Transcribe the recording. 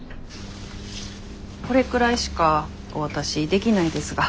これくらいしかお渡しできないですが。